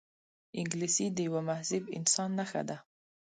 انګلیسي د یوه مهذب انسان نښه ده